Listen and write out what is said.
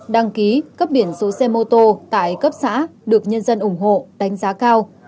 đăng ký cấp biển số xe mô tô tại cấp xã được nhân dân ủng hộ đánh giá cao